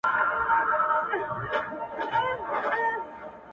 زه مي دوې نښي د خپل یار درته وایم,